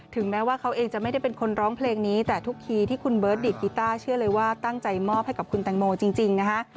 แม้ว่าเขาเองจะไม่ได้เป็นคนร้องเพลงนี้แต่ทุกทีที่คุณเบิร์ตดีดกีต้าเชื่อเลยว่าตั้งใจมอบให้กับคุณแตงโมจริงนะฮะ